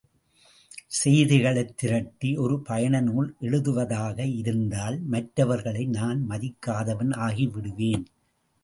செய்திகளைத் திரட்டி ஒரு பயண நூல் எழுதுவதாக இருத்தால் மற்றவர்களை நான் மதிக்காதவன் ஆகிவிடுவேன்.